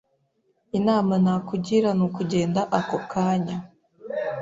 Inama nakugira nukugenda ako kanya.